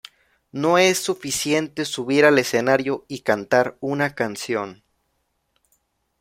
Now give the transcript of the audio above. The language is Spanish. No es suficiente subir al escenario y cantar una canción.